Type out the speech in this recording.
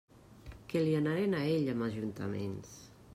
Que li anaren a ell amb ajuntaments!